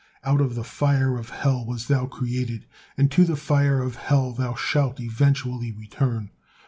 Out of the fire of Hell was thou created, and to the fire of Hell shalt thou eventually return.